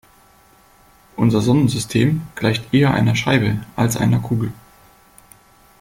Unser Sonnensystem gleicht eher einer Scheibe als einer Kugel.